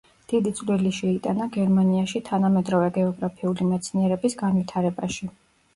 დიდი წვლილი შეიტანა გერმანიაში თანამედროვე გეოგრაფიული მეცნიერების განვითარებაში.